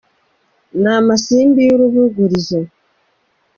Ni amasimbi y’urubugurizo